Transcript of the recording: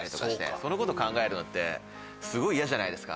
そのこと考えるのってすごい嫌じゃないですか。